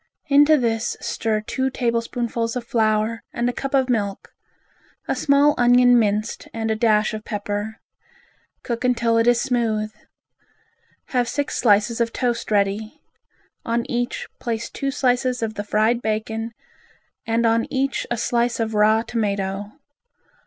Into this stir two tablespoonfuls of flour and a cup of milk; a small onion minced and a dash of pepper. Cook until it is smooth. Have six slices of toast ready. On each, place two slices of the fried bacon and on each a slice of raw tomato.